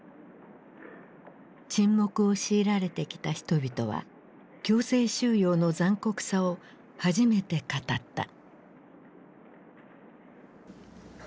沈黙を強いられてきた人々は強制収容の残酷さを初めて語った。